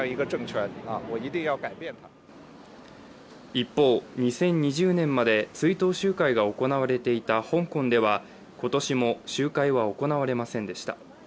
一方、２０２０年まで追悼集会が行われていた香港では今年も集会は行われませんでした。